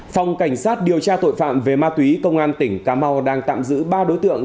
phòng cảnh sát điều tra tội phạm về ma túy công an tỉnh cà mau đang tạm giữ ba đối tượng